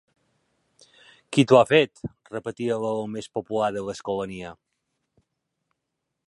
Qui t'ho ha fet? —repetia la veu més popular de l'Escolania.